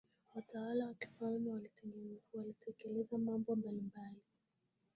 watawala wa kifalme walitekeleza mambo mbalimbali